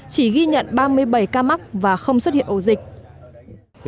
chỉ ghi nhận ba mươi bảy ca mắc và không xuất hiện ổ dịch